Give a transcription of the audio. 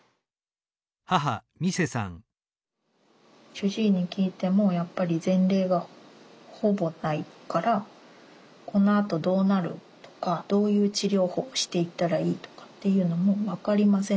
主治医に聞いてもやっぱり前例がほぼないからこのあとどうなるとかどういう治療法していったらいいとかっていうのもわかりません